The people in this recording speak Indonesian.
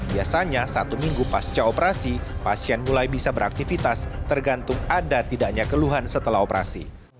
biasanya satu minggu pasca operasi pasien mulai bisa beraktivitas tergantung ada tidaknya keluhan setelah operasi